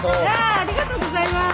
ありがとうございます。